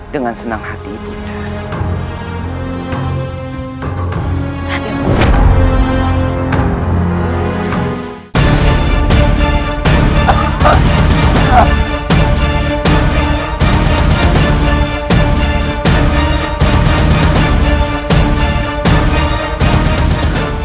dengan senang hati ibu ndak